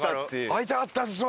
「会いたかったですわ！」